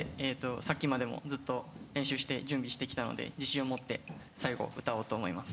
さっきまでもずっと練習して準備してきたので自信を持って最後歌おうと思います。